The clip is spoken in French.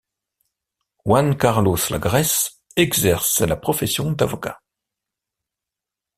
Juan Carlos Lagares exerce la profession d'avocat.